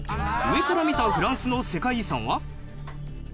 上から見たフランスの世界遺産は？